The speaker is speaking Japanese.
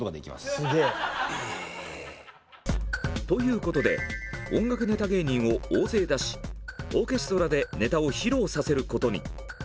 ということで音楽ネタ芸人を大勢出しオーケストラでネタを披露させることに。